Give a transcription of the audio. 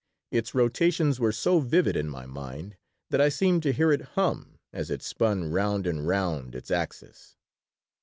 Its rotations were so vivid in my mind that I seemed to hear it hum as it spun round and round its axis.